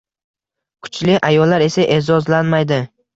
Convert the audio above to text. Kuchli ayollar esa eʼzozlanmaydi.